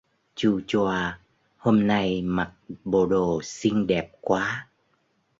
Chu choa hôm nay mặc bộ đồ xinh đẹp quá